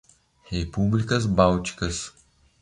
Repúblicas Bálticas